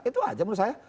itu aja menurut saya